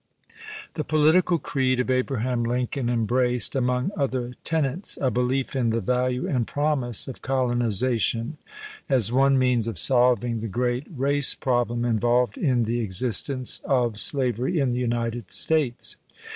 rriHE political creed of Abraham Lincoln em i braced, among other tenets, a belief in the value and promise of colonization as one means of solving the great race problem involved in the ex istence of slavery in the United States.